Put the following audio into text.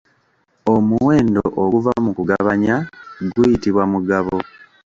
Omuwendo oguva mu kugabanya guyitibwa Mugabo.